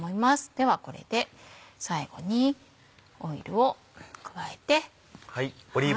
ではこれで最後にオイルを加えて。